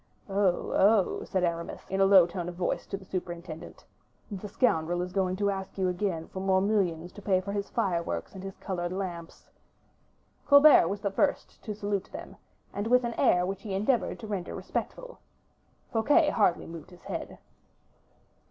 "Oh, oh!" said Aramis, in a low tone of voice to the superintendent; "the scoundrel is going to ask you again for more millions to pay for his fireworks and his colored lamps." Colbert was the first to salute them, and with an air which he endeavored to render respectful. Fouquet hardly moved his head.